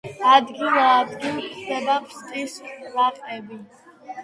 ადგილ-ადგილ გვხვდება ფსტის რაყები.